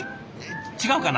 違うかな？